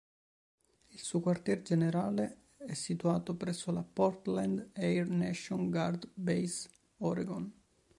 Il suo quartier generale è situato presso la Portland Air National Guard Base, Oregon.